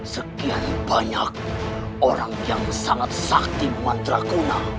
sekian banyak orang yang sangat sakti meman terakunah